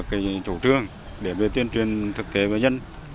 trước khi khiến được chủ trương về tuyên truyền thực tế với dân